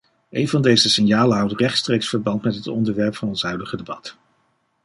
Een van deze signalen houdt rechtstreeks verband met het onderwerp van ons huidige debat.